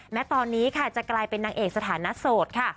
แม้ตอนนี้ค่ะจะกลายเป็นนางเอกสถานะโสดค่ะ